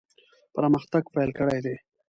پرمختګ پیل کړی دی.